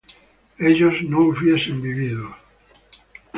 ellos no hubiesen vivido